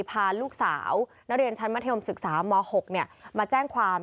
พาลูกสาวณเดชน์ชั้นมศึกษาม๖มาแจ้งความ